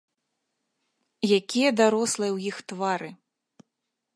Якія дарослыя ў іх твары!